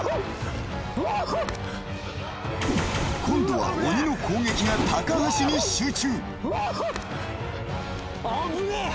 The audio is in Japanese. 今度は鬼の攻撃が高橋に集中危ねえ！